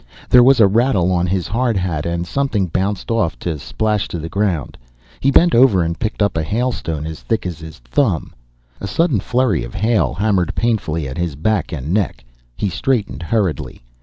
There was a rattle on his hard hat and something bounced off to splash to the ground. He bent over and picked up a hailstone as thick as his thumb. A sudden flurry of hail hammered painfully at his back and neck, he straightened hurriedly.